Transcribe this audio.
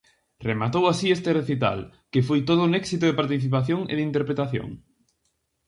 Rematou así este recital, que foi todo un éxito de participación e de interpretación.